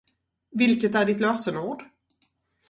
Vilket är ditt lösenord?